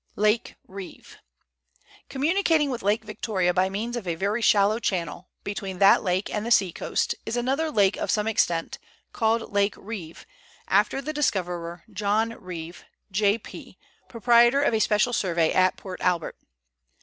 LAKE REEVE. Communicating with Lake Victoria by means of a very shallow channel, between that lake and the sea coast, is another lake of some extent, called Lake Reeve, after the discoverer, John Reeve, J.P., proprietor of a special survey at Port Albert.